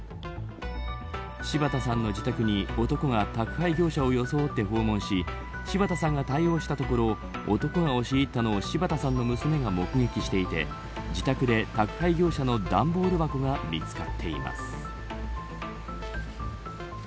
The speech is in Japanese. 柴田さんの自宅に男が宅配業者を装って訪問し柴田さんが対応したところ男が押し入ったのを柴田さんの娘が目撃していて自宅で宅配業者の段ボール箱が見つかっています。